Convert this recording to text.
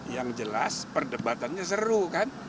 yang jelas perdebatannya seru kan